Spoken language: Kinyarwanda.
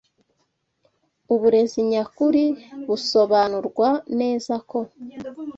Uburezi nyakuri busobanurwa neza ko